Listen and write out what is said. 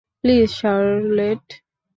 Please, Charlotte.